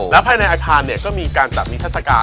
ภายในอาคารก็มีการจัดนิทัศกาล